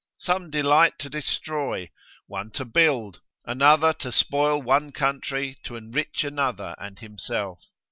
Some delight to destroy, one to build, another to spoil one country to enrich another and himself.